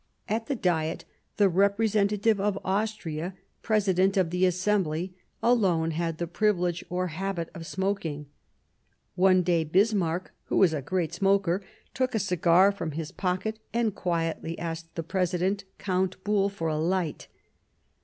At the Diet, the representative of Austria, President of the Assembly, alone had the privilege or the habit of smokmg. One day Bismarck, who was a great smoker, took a cigar from his pocket and quietly asked the President, Count Buol, for a light.